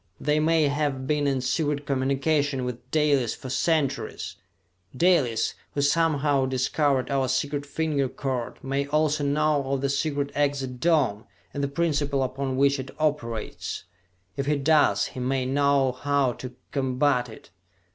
They may have been in secret communication with Dalis for centuries! Dalis, who somehow discovered our secret finger code, may also know of the secret exit dome, and the principle upon which it operates! If he does, he may know how to combat it!